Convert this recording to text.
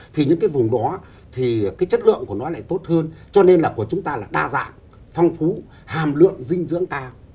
thì những cái vùng đó thì cái chất lượng của nó lại tốt hơn cho nên là của chúng ta là đa dạng phong phú hàm lượng dinh dưỡng cao